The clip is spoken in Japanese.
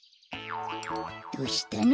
どしたの？